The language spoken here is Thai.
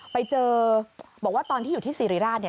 ไปเจอบอกว่าตอนที่อยู่ที่สิริราชเนี่ย